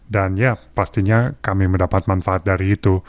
dan ya pastinya kami mendapat manfaat dari itu